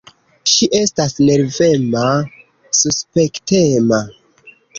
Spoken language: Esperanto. Ŝi estas nervema, suspektema.